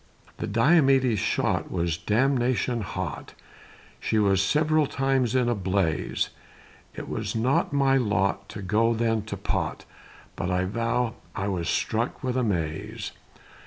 The Diomede's shot Was damnation hot, She was several times in a blaze; It was not my lot To go then to pot, But I veow, I was struck with amaze.